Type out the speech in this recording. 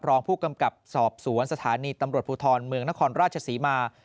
รองผู้กำกับสอบสวนสถานีตำรวจภูทรเมืองนครราชศรีมา